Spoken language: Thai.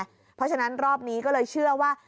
เพราะฉะนั้นรอบนี้ก็เลยเชื่อว่า